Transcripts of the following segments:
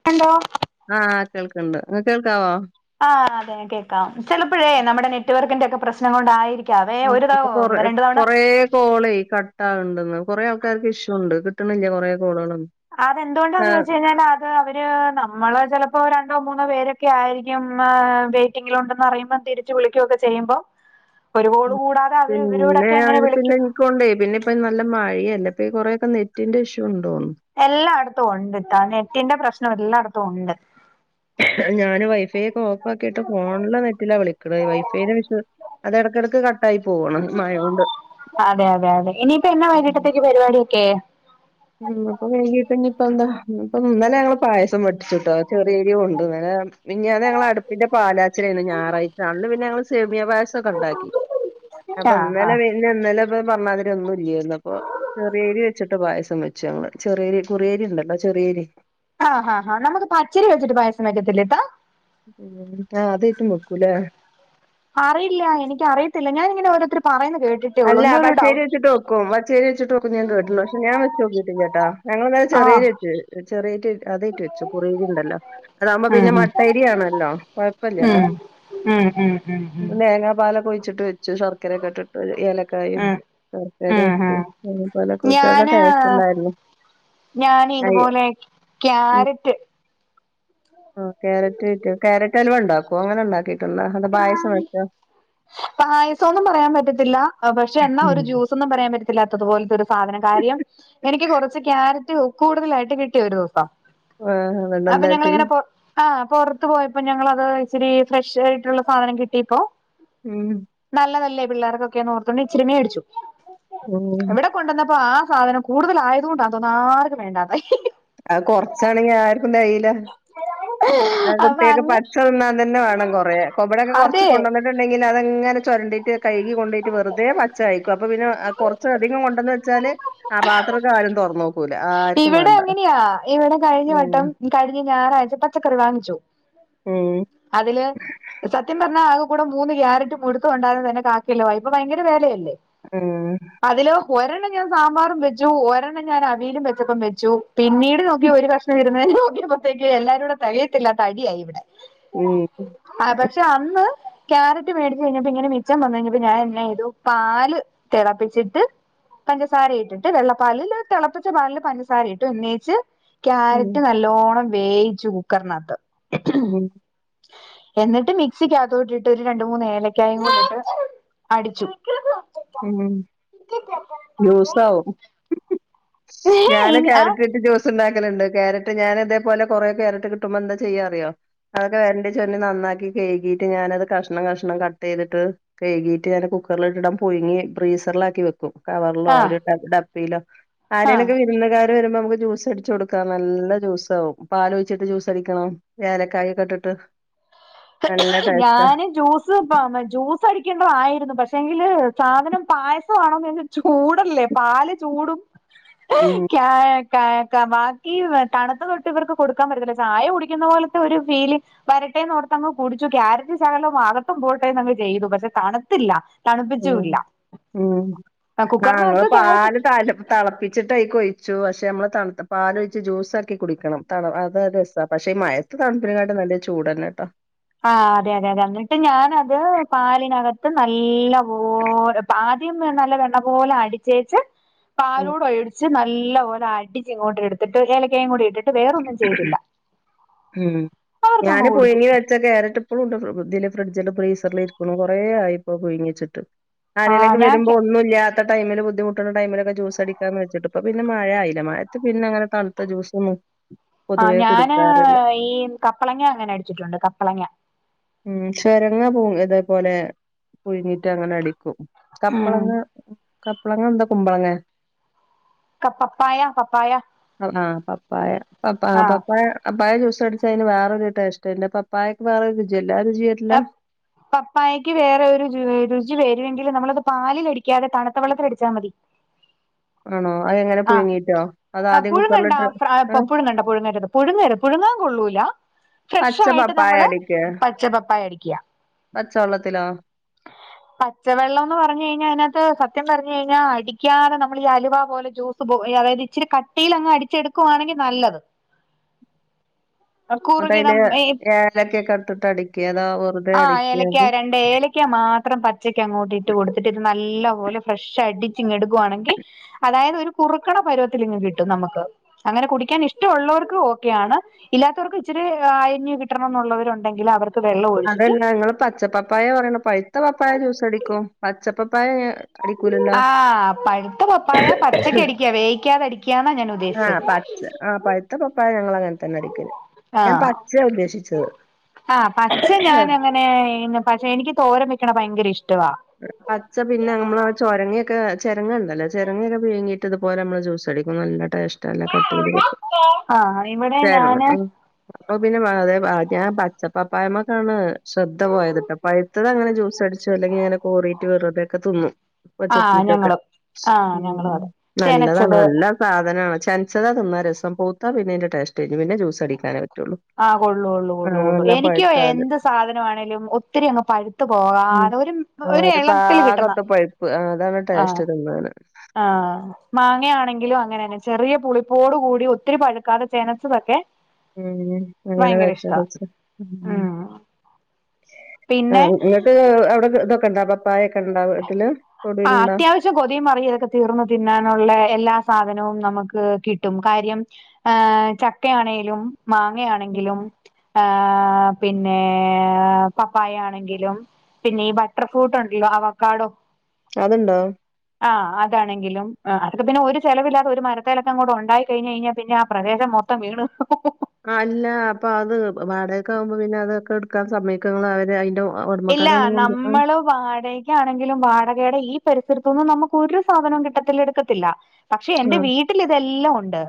[unintelligible] ആഹ് കേൾക്കണ്ട് ആഹ് കേൾക്കാവോ? ആഹ് അതെ കേൾക്കാം ചിലപ്പോഴേ നമ്മുടെ നെറ്റ് വർക്കിന്റെ ഒക്കെ പ്രശ്നം കൊണ്ടായിരി- ക്കഅവെ ആഹ് ഒരു ഇപ്പൊ കൊറേ തവഒന്ന് രണ്ടു തവണ കൊറേ കോളേ കട്ടാകുണ്ടന്ന് കൊറെേ ആൾക്കാർക്ക് ഇഷ്യുണ്ട് കിട്ടണില്ല കൊറേ കോളുകളൊന്നും അതെന്തുകൊണ്ടാന്ന് ആഹ് ചോദിച്ച് കഴിഞ്ഞാ അവര് നമ്മള് ചിലപ്പോൾ രണ്ടോ മൂന്നോ പേരൊക്കെ ആയിരിക്കും വെയിറ്റിങ്ങിൽ ഉണ്ടെന്നറിയുമ്പോ തിരി - ചു വിളിക്കുക്ക ചെയ്യുമ്പോ - ഒരുകോള് ഉം കൂടാതെ അവര് ഇവരോടൊക്കെ എങ്ങനെ വിളിക്കും കൊണ്ടെ പിന്നെ ഇപ്പ നല്ല മഴയല്ലേ ഇ കൊറേൊക്കെ നെറ്റിന്റെ ഇഷ്യൂണ്ടോന്നു എല്ലായിടത്തും ഉണ്ട് ട്ടാ നെറ്റിന്റെ പ്രശ്നം എല്ലായിടത്തും ഉണ്ട് ഞാന് വൈഫൈ ഒക്കെ ഓഫ് ആക്കിയിട്ട് ഫോണില നെറ്റിലാ വിളിക്കണ വൈഫൈ വിശ- അത് ഇടക്കിടക്ക് കട്ട ആയി പോവാണ്ഈ മഴ കൊണ്ട് അതെ അതെ അതെ ഇനിയിപ്പ എന്നാ വൈകിട്ടത്തേക്ക് പരിപാടിക്കെ? ഉം അപ്പൊ വൈകിട്ട് ഇനി ഇപ്പൊ എന്താ ഇന്നിപ്പോ ഇന്നാലെ ഞങ്ങൾ പായസം വെച്ചുട്ടോ ചെറിയരി കൊണ്ട് ഇന്നലെ മിഞ്ഞാന്ന് ഞങ്ങളെ അടുപ്പിന്റെ പാലാച്ചിലായിരുന്നു ഞായറാഴ്ച്ച അന്ന് പിന്നെ ഞങ്ങൾ സേമിയാ പായസൊക്കെ ഉണ്ടാക്കി അപ്പൊ ആഹ് ഇന്നലെ ആഹ് ഇന്നലെ ഇപ്പൊ പറഞ്ഞാതിരി ഒന്നും ഇല്ലായിരിന്ന് അപ്പൊ ചെറിയരി വെച്ചിട്ട് പായസം വെച്ചു ഞങ്ങൾ ചെറിയരി കുറിയരി ഉണ്ടല്ലോ ചെറിയരി ആഹ ഹാ ആ നമ്മുക്ക് പച്ചരി വെച്ചിട്ട് പായസവെക്കത്തി ഇത്ത ഉ ആഹ് അതായിട്ടും വെക്കൂല്ലേ അറിയില്ല എനിക്കറിയത്തില്ല ഞാനിങ്ങനെ ഓരോര്ത്തര് പറയുന്നത് കേട്ടിട്ട് അല്ല പച്ചേരി വച്ചിട്ട് വെക്കും പച്ചേരി വച്ചിട്ടോക്കും ഞാൻ കേട്ടുള്ളു പക്ഷേ ഞാൻ വെച്ച് നോക്കിട്ടില്ല കേട്ടാ ഞങ്ങൾന്നാ ആ ചെറിയരി ഇട്ട് വെച്ചു ചെറിയറ്റ് അതേറ്റ് വച്ചു കുറിയരി ഉണ്ടല്ലോ അതാകുമ്പോ പിന്നെ ഉം മട്ടരിയാണല്ലോ കൊഴപ്പില്ലല്ലോ! ഉം ഉം ഉം ഉം ഉം ഉം തേങ്ങാ പാലൊക്കെ ഒഴിച്ചിട്ട് വെച്ചു ശർക്കരയൊക്കെ ഇട്ടിട്ട് ഏലക്കായും ഉം ശർക്കര ഉം ഒക്കൊ ഉം പാലോക്കെഴിച്ച് ടേസ്റ്റ് ഉണ്ടായിരുന്നു ഞാൻ അയ് ഇതുപോലെ ഉം ക്യാരറ്റ് ക്യാരറ്റ് ക്യാരറ്റ് അലുവ ഉണ്ടാക്കോ അങ്ങനെ ഉണ്ടാക്കിട്ടോണ്ടാ അതോ പായസം വെച്ചോ പായസോന്നും പറയാൻ പറ്റത്തില്ല പക്ഷെ എന്നാ ഉം ഒരു ജ്യൂസ് ജ്യൂസോന്നും പറയാൻ പറ്റിത്തില്ല പോലെത്തൊരു സാധനം കാര്യം എനിക്ക് കുറച്ച് ക്യാരറ്റ് ഉപ്പ് കൂടുതലായിട്ട് കിട്ടിയ ഒരു ദിവസം ആ വെള്ളം അപ്പൊ തട്ടി ഞങ്ങളിങ്ങനെ പുറത്ത് ആഹ് പുറത്ത് പോയപ്പോ ഞങ്ങളത് ഇച്ചിരി ഫ്രഷ് ആയിട്ടുള്ള സാധനം കിട്ടിപ്പോ മ് നല്ലതല്ലേ പിള്ളേർക്കൊക്കെ ഓർത്തണ്ട് ഇച്ചിരി മേടിച്ചു ഉം ഇവിടെ കൊണ്ടുവന്നപ്പോ ആ സാധനം കൂടുതലായത് കൊണ്ടാണ് തോന്നാ ആർക്കും വേണ്ടതായി ഹിഹി അത് കുറച്ചാണെങ്കി ആർക്കും തികയ്യില്ല ആ അപ്പൊ കുട്ടിയൊ അങ്ങ് പച്ചന്നാൻ തന്നെ വേണം കൊറേ ഇബടയൊക്കെ കൊറച്ച് അതെ കൊണ്ട ണ്ടെങ്കിൽ അതങ്ങനെ ചൊരണ്ടിട്ട് കഴുകി കൊണ്ടോട്ട് വെറുതെ പച്ചകയിക്കും അപ്പൊ പിന്നെ കുറച്ച് അധികം കൊണ്ടന്ന് വെച്ചാല് ആ പാത്രക്കെ ആദ്യം തുറന്നോക്കും ഇവിടെ അങ്ങനെയാ ഇവിടെ കഴിഞ്ഞ വട്ടം കഴിഞ്ഞ ഞായറാഴ്ച്ച പച്ചക്കറി വാങ്ങിച്ചു മ് അതിൽ സത്യം പറഞ്ഞാൽ ആകെ കൂടെ മൂന്ന് ക്യാരറ്റ് മുടുത്ത കൊണ്ടാന്ന തന്നെ കാക്കിയല്ലോ ഇപ്പൊ ഭയങ്കര വിലയല്ലേ മ് അതില് ഒരെണ്ണം ഞാൻ സാമ്പാറും വെച്ചു ഒരെണ്ണം ഞാൻ അവിയലും വെച്ചപ്പം വെച്ചു പിന്നീട് നോക്കി ഒരു കഷ്ണം വരുന്ന നോക്കിയപ്പോഴത്തേക്ക് എല്ലാരും കൂടെ തികയത്തില്ലാത്ത അടിയായി ഇവിടെ മ് ആ പക്ഷെ അന്ന് ക്യാരറ്റ് മേടിച്ചു കഴിഞ്ഞപ്പോ ഇങ്ങനെ മിച്ചം വന്നഴിഞ്ഞപ്പോ ഞാൻ എന്നയ്തു പാൽ തെളപ്പിച്ചിട്ട് പഞ്ചസാര ഇട്ടിട്ട് വെള്ളപ്പാലിൽ തെളപ്പിച്ച പാലിൽ പഞ്ചസാരയിട്ട് ഉന്നയിച്ച് ഉം, ക്യാരറ്റ് നല്ലോണം വേയിച്ചു കുക്കറിനാകത്ത് ഉം എന്നിട്ട് മിക്സിക്കകത്തോടക്ക് ഇട്ടിട്ട് ഒരു രണ്ട് മൂന്ന് ഏലക്കാഴേ കൂടിയിട്ട് അടിച്ചു ഉം ലൂസാവും സ് ഞാൻ ക്യാരറ്റ്ട്ട് ജോ ണ്ടാക്കല്ണ്ട് ക്യാരറ്റ് ഞാൻ അതെ പോലേ കൊറേ ക്യാരറ്റ് കിട്ടുമ്പോ എന്താ ചെയ്യാറിയോ? അതൊക്കെ വെര്ണ്ടി ചൊര്ണ്ടി നന്നാക്കി കെയ്കിട്ട് ഞാനത് കഷ്ണം കഷ്ണം കട്ട് ചെയ്തിട്ട് കൈകിയിട്ട് ഞാൻ കുക്കറിൽ ഇട്ടണം പുഴുങ്ങി ഫ്രീസറിലാക്കി വെക്കും കവർലോ ആ ഒരു ട ഡപ്പയിലോ ആ ആരേലൊക്കെ വരു വിരുന്ന്ക്കാര് വരുമ്പോ നമ്മക്ക് ജ്യൂസ് അടിച്ചു കൊടുക്കാം നല്ല ജ്യൂസാവും പാലൊഴിച്ചിട്ട് ജ്യൂസടിക്കണം. ഏലക്കായി ഇട്ടിട്ട് നല്ല ടേസ്റ്റാ ഞാൻ ജ്യൂസ് ദ് പമേ ജ്യൂസ് അടിക്കേണ്ടതായിരുന്നു പക്ഷെങ്കിൽ സാധനം പായസവാണോന്ന് ചൂടല്ലേ പാല് ചൂടും ഉം ക്യായൊകെ ആയേക്കാ ബാക്കി തണുത്ത തൊട്ട് ഇവർക്ക് കൊടുക്കാൻ പറ്റത്തില്ല ചായ കുടിക്കുന്ന പോലത്തെ ഒരു ഫീല് വരട്ടേന്നൊടത്തങ്ങ് കുടിച്ചു ക്യാരറ്റ് ശകലവും ആകത്തും പോവട്ടെ അങ്ങ് ചെയ്തു പക്ഷെ തണ്ത്തില്ല. ഉം ഉം ആ ങ്ങൾ കുക്കറിനകത്ത് ക്യാരറ്റ് പാല് താലം തളപ്പിച്ചിട്ട്അയ്കൊഴിച്ചു പക്ഷെ നമ്മള് തണ്ത്ത പാലൊഴിച്ച് ജ്യൂസക്കി കുടിക്കണം ത അത് രസാ പക്ഷെ ഈ മയ പൊ തണുപ്പിനെകാട്ട് നല്ല ചൂടന്നെട്ടോ ആ അതെ അതെ അതെ എന്നിട്ട് ഞാനത് പാലിനകത്ത് നല്ലപോൽ ആദ്യം നല്ല വണ്ണ പോലെ അടിച്ചേച്ച് ഉം പാലൂട ഒഴിച്ച് നല്ല പോലെ അടിച്ച് ഇങ്ങോട്ട് എടുത്തിട്ട് ഏലക്കയും കൂടി ഇട്ടിട്ട് വേറൊന്നും ചെയ്തില്ല. ഉം ഞാന് അവർക്കങ്ങ് കൊടുത്തു പുഴുങ്ങിത് ല് ന്റെ കേരറ്റ് ഇപ്പോളുണ്ട് ഇതില് ഫ്രിഡ്ജില് ഫ്രീസറിൽ ഇരിക്ണു കുറേ ആയിപ്പോ പ്പൊ പുഴ്ങ്ങിയെച്ചിട്ട്. ആഹ് ആരേലൊക്കെ ഞാൻ വെരുമ്പോ ഒന്നുല്യാ ഇറ്റ ടൈമില് ബുദ്ധിമുട്ട്ണ ടൈമിലൊക്കെ ജ്യൂസ് അടിക്കാന്ന് വെച്ചിട്ട് പ്പ പിന്നെ മഴയയില്ലെ മഴത് പിന്നെ അങ്ങനെ തണുത ജ്യൂസൊന്നും ആ പൊതുവേ ഞാന് കുടിക്കാറില്ല ഈ കപ്പളങ്ങ അങ്ങനെ അടിച്ചിട്ടുണ്ട് കപ്പളങ്ങ ഉം ചെരങ്ങ പു ഇതേപോലെ പുഴുങ്ങിട്ട അങ്ങനെ അടിക്കും ഉം കപ്പളങ്ങ കപ്പളങ്ങ ന്താ കുമ്പളങേ? ക- പപ്പായ പപ്പായ ആഹ് ആഹ് പപ്പായ പപ്പ ആഹ് പപ്പായ അപ്പായ ചൂസടിച്ചാ അതിന് വേറെരു ട്ടേഷ്ടല്ലെ പ്പപ്പായക്ക് വേറെരു രുചി യല്ലെ എപ് പപ്പായക്ക് വേറെ ഒരു രുചി വരുവെങ്കിലും നമ്മളത് പാലിൽ അടിക്കാതെ തണുത്ത വെള്ളത്തിലടിച്ചാ മതി. ആണോ അതെങ്ങനെ ആഹ് പുഴുങ്ങീട്ടോ അതാദ്യം കുക്കറിലിട്ട് ആ പുഴുങ്ങര് പുഴുങ്ങാ കൊള്ളൂല പച്ച ഫ്രഷായിട്ട് പപ്പായ നമ്മള് അടിക്കേ പച്ച പയടിക്യാ പച്ചവെള്ളത്തിലോ പച്ചവെള്ളം പറഞ്ഞു കഴിഞ്ഞാൽ അതിനകത്ത് സത്യം പറഞ് കഴിഞ്ഞാ അടിക്കാതെ നമ്മൾ ഈ അലുവ പോലെ ജൂസ് സുപൊ എ അതായത് ഇച്ചിരി കട്ടിയിലങ് അടിച്ചെടുക്കുവാണെങ്കിൽ നല്ലത് കുറുകി അതയ്ല് നമ്മ ഏലൊക്കെ കെ ഇട്ടിട്ട് അടിക്ക അതോ വേർ ആഹ് ഏലയ്ക്ക രണ് ഏലയ്ക്ക മാത്രം പച്ചക്ക അങ്ങോട്ടി ഇട്ട് കൊടുത്തിട്ട് ഇത് നല്ല പോലെ ഫ്രഷ അടിച്ച് ഇങ്ങൊടുക്കുവാണെങ്കിൽ അതായത് ഒരു കുറുക്ണ പരുവത്തിലിങ്ങ് കിട്ടും നമുക്ക് അങ്ങനെ കുടിക്കാൻ ഇഷ്ടവുള്ളോർക്ക് ഓക്കെയാണ്. ഇല്ലാത്തവർക്ക് ഇച്ചിരി അയന്യം കിട്ടണംന്നുള്ളവരുണ്ടെങ്കിൽ അവർക്ക് വെള്ളം ഒഴിച്ചിട്ട് അതല്ല നിങ്ങൾ പച്ചപ്പപ്പായ പറയണെ പഴുത്ത പപ്പായ ജ്യൂസടിക്കും പച്ചപ്പപ്പായ അടിക്കൂലല്ലോ അഹ് പഴുത്ത പപ്പായ പച്ചക്കടിക്ക വേവിക്കാതെ അടിക്കാന്നാ ഞാൻ ഉദ്ദേശിച്ചത് അഹ് പഴുത്ത പപ്പായ ഞങ്ങൾ അങ്ങനെ തന്നെ അടിക്കല് ഞാൻ പച്ച ഉദ്ദേശിച്ചത് അഹ് പച്ച ഞാൻ അങ്ങനെ പശേ എനിക്ക് തോരൻ വേക്കണ ഭയങ്കര ഇഷ്ടവാ പച്ച പിന്നെ നമ്മൾ ചുരങ്ങിയൊക്കെ ചിരങ്ങ ഉണ്ടല്ലോ ചിരങ്ങയൊക്കെ വീഴങ്ങിട്ട് ഇതുപോലെ നമ്മള് ജ്യൂസടിക്കും നല്ല ടേസ്റ്റല കട്ടിൽ ആ ഇവിടെ ഞാന് [unintelligible] അപ്പൊ പിന്നെ അതെ ഞാൻ പച്ചപ്പപ്പായമ്മക്കാണ് ശ്രദ്ധ പോയതിട്ട് പയു പഴുത്തത് അങ്ങനെ ജൂസ്സടിച്ചോ അല്ലെങ്കി ഇങ്ങനെ കോറിട്ട് വെറുതെയൊക്കെ തിന്നും ആ വച്ചേത്തിറ്റൊക്കെ ഞങ്ങളും ആ ഞങ്ങളും ഉം അതെ നല്ലതാണ് ചെനച്ചത് നല്ല സാധനാണ് ചനച്ചതാ തിന്നാ രസം പോത്താ പിന്നെതിന്റെ ടേസ്റ്റ് പിന്നെ പിന്നെ ജൂസടിക്കൻ പറ്റൂ അഹ് കൊള്ളൂള്ളൂ കൊള്ളൂള്ളു എനിക്കോ പഴുത്താല് എന്ത് സാധനമാണേലും ഒത്തിരി അങ്ങ് പഴുത്തു പോകാതെ ഒരു ആ ഒരു പാ എളത്തിൽ കിട്ടുന്ന കൊത്ത പഴിപ്പ് അതാണ് ടേസ്റ്റ് തിന്നാൻ അഹ് മാങ്ങയാണെങ്കിലും അങ്ങനെന്നെ ചെറിയ പുളിപ്പോട് കൂടി ഒത്തിരി പഴുക്കാതെ ചേനച്ചതൊക്കെ ഉം അങ്ങനെ വെക്കാന്നവെച്ചാ ഉം പിന്നെ അഹ് നിങ്ങക്ക് അവിടെ ഇതൊക്കെ ഇണ്ടാ പപ്പായൊക്കെ ഇണ്ടാ വീട്ടില് ആ തൊടിയിലുണ്ടാ അത്യാ ജ് കൊതിയും മറിയതൊക്കെ തീർന്ന തിന്നാനുള്ള എല്ലാ സാധനവും നമുക്ക് കിട്ടും കാര്യം ആഹ് ചക്കയാണെങ്കിലും മാങ്ങയാണെങ്കിലും ആഹ് പിന്നെ പപ്പായ ആണെങ്കിലും പിന്നെ ഈ ബട്ടർ ഫ്രൂട്ട് ഉണ്ടല്ലോ അവക്കാടോ അതുണ്ടോ ആഹ് ആതണെങ്കിലും അതോക്കെ പിന്നെ ഒരു ചെലവില്ലാതെ ഒരു മാരത്തെലോക്കെ അങ്ങൊട് ഒണ്ടായി കഴിഞ്ഞ് കഴിഞ്ഞാൽ പിന്നെ ആ പ്രദേശം മൊ ഇപ്പ വീണു അല്ല അപ്പൊ അത് വാടകക്കാകുമ്പോ പിന്നെ അതൊക്കെ എടുക്കാൻ സമയ്കോ അവര് അയിന്റെ ഓ ഓടമക്കാരൊ ഒന്നും കൊണ്ടയ്കാൻ വാടകയ്ക് ആണെങ്കിലും വാടകയുടെ ഈ പരിസരത്തൊന്നും നമുക്ക് ഒരു സാധനവും കിട്ടത്തില്ല എടുക്കത്തില്ല പക്ഷെ എന്റെ ആ വീട്ടിൽ ഇതെല്ലാം ഒണ്ട്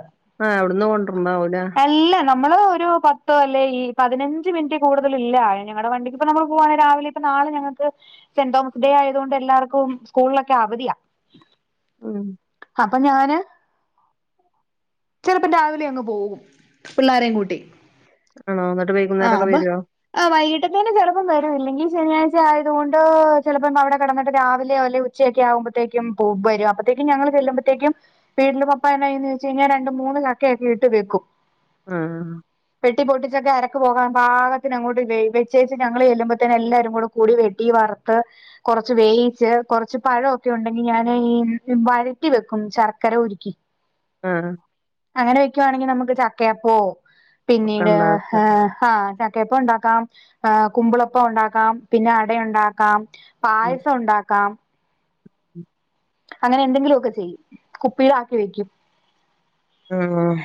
ആ, അവിടുന്ന് കൊണ്ടുണ്ടാവൂല അല്ല ന മ്മള് ഒരു പത്തു അല്ലോയി ഈ പതിനഞ്ച് മിനിറ്റ് കൂടുതൽ ഇല്ല ഞങ്ങളടെ വണ്ടിക്കിപ്പോ നമ്മൾ പോവാണെ രാവിലെ ഇപ്പ നാളെ ഞങ്ങൾക്ക് സെന്റ് തോമസ് ഡേ ആയതു കൊണ്ട് എല്ലാവർക്കും സ്കൂളിലൊക്കെ അവധിയാ ഉം അപ്പൊ ഞാന് ചിലപ്പം രാവിലെ അങ്ങ് പോകും പിള്ളാരേ കൂട്ടി ആണോ എന്നിട്ട് വൈകുന്നേരക്കെ വരുവോ ആ വൈകിട്ടൊക്കെയാണ് ചെലപ്പോ പ്പം വരു ഇല്ലെങ്കി ശനിയാഴ്ച ആയതുകൊണ്ട് ചെലപ്പം അവിടെ കെടന്നിട്ട് രാവിലെയോ അല്ലെ ഉച്ചയൊക്കെ ആക്ബോ ത്തെക്കും പോ വരും അപ്പഴത്തേക്കും ഞങ്ങൾ ചെല്ലുമ്പഴത്തേക്കും വീട്ടില് പപ്പായെന്നാ ചെയ്യുന്ന് വെച്ച് കഴിഞ്ഞാ രണ്ട് മൂന്ന് ചക്കൊക്കെ ഇട്ട് വെക്കും ആഹ് വെട്ടി പൊട്ടിച്ചൊക്കെ അരക്ക് പോകാൻ പാകത്തിൻ അങ്ങോട്ട വേ വെച്ചേ ച് ഞങ്ങള് ചെല്ലുമ്പോത്തനെ എല്ലാരും കൂടെ കൂടി വെട്ടി വറുത്ത് കൊറച്ച് വേയിച്ച് കൊറച്ച് പഴൊക്കെ ഉണ്ടെങ്കി ഞാൻ ഈ വരറ്റി വെക്കും ശർക്കര ഉരുക്കി ആഹ് അങ്ങനെ വെക്കുവാണെങ്കിൽ നമുക്ക് ചക്കയപ്പോ ഒക്കെ പിന്നീട് ഉണ്ടാക്ക ഹ് അഹ് ചക്കയപ്പം ഒണ്ടാക്കാം ഉഹ് കുമ്പളൊപ്പം ഒണ്ടാക്കാം പിന്നെ അട ഒണ്ടാക്കാം ആ പായസം ഒണ്ടാക്കാം അങ്ങനെ എന്തെങ്കിലും ഒക്കെ ചെയ്യും കുപ്പിലാക്കി വെക്കും ഉം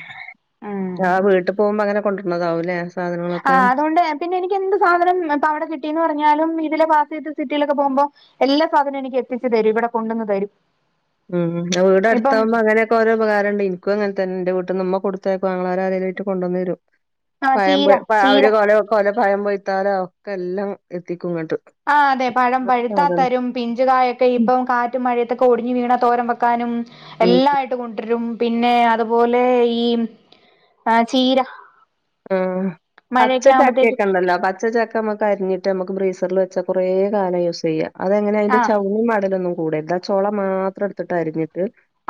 ഉം ആഹ് വീട്ടിൽ പോകുമ്പോ അങ്ങനെ കൊണ്ടുവരന്നതാവൂലേ ആഹ് അതുകൊണ്ട് പിന്നെ എനിക്ക് എന്ത് സാധനം ഇപ്പൊ അവിടെ കിട്ടിന്ന് പറഞ്ഞാലും ഇതിലെ പാസെയ്ത് സിറ്റിയിലൊക്കെ പോകുമ്പോ എല്ലാ സാധനവും എനിക്ക് എത്തിച്ചു തരും ഇവിടെ കൊണ്ടുവന്ന് തരും ഉം ഉം വീടെ ഇപ്പം അടുത്താവുമ്പോ അങ്ങനെ ക്കെ ഓരോ ഉപകാരണ്ട് എനിക്കുംങ്ങനതന്നെ എന്റെ വീട്ട്ന്ന്മ്മ കൊടുത്തയ്ക്കും ആങ്ങളാര് ആരെയിലട്ട് കൊണ്ടന്ന് തരും ആ പയം ചീര പൊയ് ചീര ഒരു കൊല കൊല പയം പൊയ്ത്താല ഒക്കെ എല്ലാം എത്തിക്കും ഇങ്ങോട്ട് ആഹ് അതെ പഴം പഴുത്ത തരും പിഞ്ചുകായൊക്കെ ഇപ്പം കാറ്റും മഴയത്തൊക്കെ ഒടിഞ്ഞ് വീണ തോരമ്പ ക്കാനും ഉം എല്ലായി ട്ട കൊണ്ടരും പിന്നെ അതുപോലെ ഈ ആ ചീര ഉം പച്ച മഴയൊക്കെ ആവുമ്പോത്തേക്കും ചക്കിയൊക്കെണ്ടല്ലോ പച്ചച്ചക്ക ക്കെ നമക്ക് അരിഞ്ഞട്ട് നമുക്ക് ബ്രീസറിൽ വച്ചാ കുറേ കാലം യൂസ് ചെയ്യാം അതെങ്ങനെ അതിന്റെ ആഹ് ചൗണി മടലൊന്നും കൂടരുത് ആ ചോള മാത്രം എടുത്തിട്ട് അരിഞ്ഞിട്ട്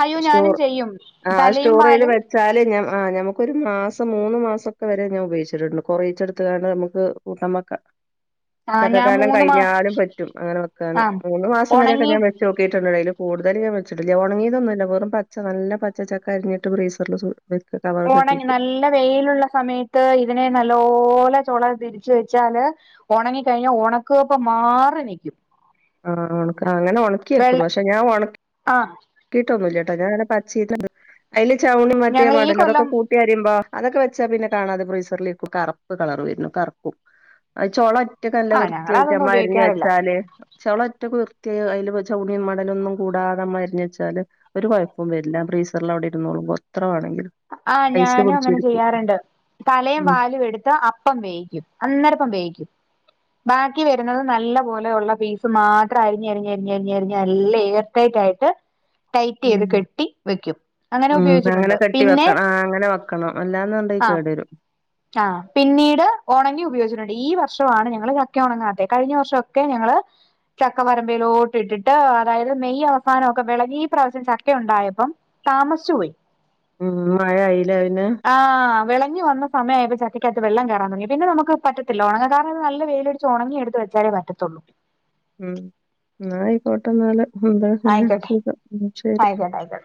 അയ്യോ ഞാനും സ്റ്റോർ ചെയ്യും ആ തലയും സ്റ്റോർ ചെയ്ത് വാലും വെച്ചാല് ഞമ ഞമക്കൊരു മാസം മൂന്ന് മാസം വരെ ഞാൻ ഉപയോഗിച്ചിട്ടുണ്ട് കുറേച്ചെടുത്ത് കാണ്ട് നമുക്ക് കൂട്ടവെക്കാം ആഹ് ഞാൻ ചക്കക്കാലം മൂന്ന് മാസം കഴിഞ്ഞാലും പറ്റും അങ്ങനെ വെക്കാണ് ആഹ് മൂന്നു മാസം വരെെയൊക്കെ ഉണങ്ങി ഞാൻ വെ ചോക്കിയിട്ടുണ്ട അയില് കൂടുതൽ ഞാൻ വെച്ചിട്ടില്ല ഒണങ്ങിയതൊന്നുമില്ല വെറും പച്ച നല്ല പച്ചക്ക അരിഞ്ഞട്ട്ഫ്രീസർല് സൂ ക്ക് കവ ഒണങ്ങി നല്ല വെയിലുള്ള സമയത്ത് ഇതിനെ നല്ലോല ചോള തിരിച്ച് വെച്ചാല് ഒണങ്ങിക്കഴിഞ്ഞ ഒണക്ക് കപ്പ മാറി നിൽക്കും ആഹ് ഒണക്ക അങ്ങനെ ഒണക്കിയക്കും വെള്ള പക്ഷെ ഞാൻ ഒണ ആഹ് കിട്ടൊന്നുമല്ല. കേട്ടോ ഞാനടെ പച്ചി അതില് ചവണി മറ്റേ ഞങ്ങള് ഈ മടൽ അതൊക്കെ കൊല്ലം കൂട്ട കുട്ട അയുമ്പോ അതൊക്കെ വെച്ചാ പിന്നെണാതെ ബ്രീസറിലേക്ക് കറപ്പ് കളർ വരുന്നു. കറപ്പും ചൊള ഒറ്റ നല്ല ആഹ് വൃത്തിയായിട്ട ഞങ്ങളതൊന്നും അമ്മരിഞ്ഞ ഉപയോഗിക്കാറില്ല വെച്ചാല് ചവള ഒറ്റ ക കുർത്തിയ അതില് ചൗണിയും മടലൊന്നും കൂടാതെ മരുഞ്ഞ വെച്ചാല് ഒരു കുഴപ്പം വരില്ല. ബ്രീസറിൽ അവിടെ ഇരുന്നോളുമ്പോ അത്ര ആണെങ്കിലും ആഹ ഞാനും അങ്ങനെ ചെയ്യാറുണ്ട്. തലയും ഉം വാലും എടുത്ത് അപ്പം വേയി അന്നേരംപ്പം വേവിക്കും. ബാക്കി വരുന്നത് നല്ല പോലെ ഉള്ള പീസ് മാത്രം അരിഞ്ഞരിഞ്ഞരിഞ്ഞരിഞ്ഞരിഞ്ഞ അല്ലർ [unintelligible] യിട്ട് ടൈറ്റ് ചെയ്ത് കെട്ടി വെക്കും. അങ്ങനെ ഉപയോഗിച്ചിട്ടുണ്ട്. വെട്ടി പിന്നെ വെക്കണം. ആ അങ്ങനെ വെക്കണം എല്ലാന്നുണ്ടങ്കിൽ കേട വരും. ആ പിന്നീട് ഉണങ്ങി ഉപയോഗിച്ചിട്ടുണ്ട്. ഈ വർഷമാണ് ഞങ്ങള് ചക്ക ഉണങ്ങാത്ത കഴിഞ്ഞ വർഷക്കെ ഞങ്ങള് ചക്ക പറരമ്പയിലോട്ട് ഇട്ടിട്ട് അതായത് മെയ് അവസാനം ഒക്കെ വിളകി ഈ പ്രാവശ്യം ചക്ക ഉണ്ടായപ്പം താമസ പോയി. ഉം മഴ ആയിലേ? പിന്നെ ആഹ വിളഞ്ഞി വന്ന സമയപ്പോ ചക്കകത്ത് വെം കയറാൻ തുടങ്ങി. പിന്നെമുക്ക് പറ്റത്തില്ല ഉണങ്ങാ കാരണം നല്ല വെയിലടടിച്ച് ഉണങ്ങിയടുത്ത് വെച്ചാലേ പറ്റത്തുള്ളൂ. ഉ ആയിക്കോട്ടന്നല് എന്താ പിന്നെ സുഖം ശരി. [unintelligible] ആയിക്കട്ടെ.